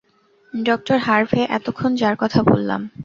ডাঃ হারভে, এতক্ষণ যার কথা বললাম।